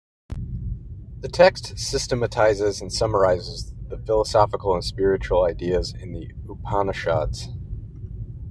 The text systematizes and summarizes the philosophical and spiritual ideas in the Upanishads.